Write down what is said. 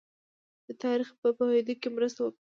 د تاریخ په پوهېدو کې مرسته وکړي.